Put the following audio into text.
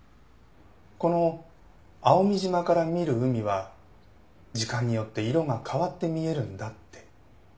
この蒼海島から見る海は時間によって色が変わって見えるんだって。